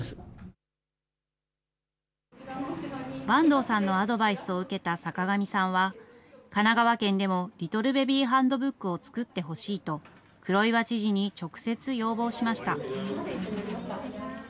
板東さんのアドバイスを受けた坂上さんは、神奈川県でもリトルベビーハンドブックを作ってほしいと、黒岩知事に直接要望しました。